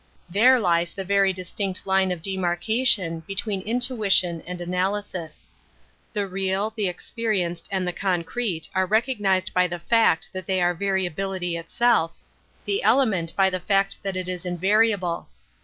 There lies the very dis tinct line of demarcation between intuition and analysis. The real, the experienced, and the concrete are recognized by the fact that they are variability itself, the element by the fact that it is invariable.